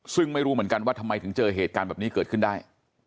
ซึ่งไม่รู้เหมือนกันว่าทำไมถึงเจอเหตุการณ์แบบนี้เกิดขึ้นได้